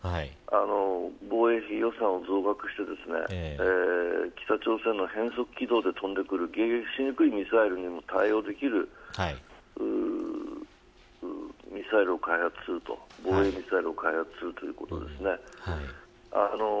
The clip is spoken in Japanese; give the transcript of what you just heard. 防衛費予算を増額して北朝鮮の変則軌道で飛んでくる迎撃しにくいミサイルにも対応できるミサイルを開発するということですね。